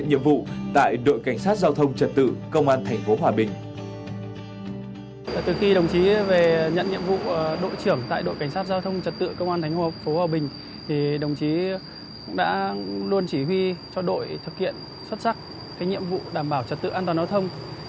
thì đồng chí cũng đã luôn chỉ huy cho đội thực hiện xuất sắc cái nhiệm vụ đảm bảo trật tự an toàn giao thông